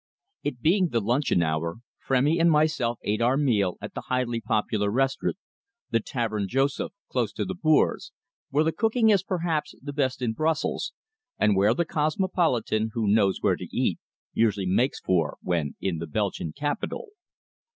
It being the luncheon hour, Frémy and myself ate our meal at the highly popular restaurant, the Taverne Joseph, close to the Bourse, where the cooking is, perhaps, the best in Brussels and where the cosmopolitan, who knows where to eat, usually makes for when in the Belgian capital.